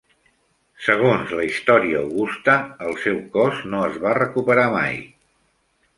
Segons la Història Augusta, el seu cos no es va recuperar mai.